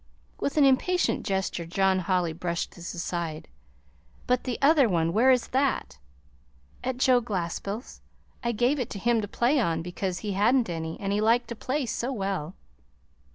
With an impatient gesture John Holly brushed this aside. "But the other one where is that?" "At Joe Glaspell's. I gave it to him to play on, because he had n't any, and he liked to play so well."